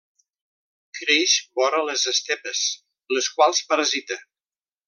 Creix vora les estepes, les quals parasita.